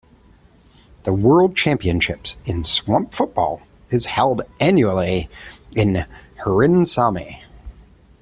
The world championships in swamp football is held annually in Hyrynsalmi.